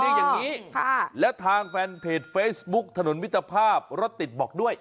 ค่ะและทางแฟนเพจเฟซบุ๊กถนนวิทยาภาพรถติดบอกด้วย